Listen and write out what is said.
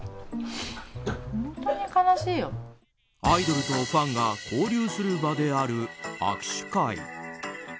アイドルとファンが交流する場である握手会。